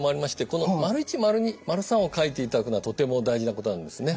この①②③を書いていただくのはとても大事なことなんですね。